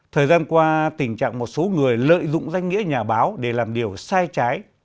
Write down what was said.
thời gian qua tình trạng một số người lợi dụng danh nghĩa nhà báo để làm điều sai trái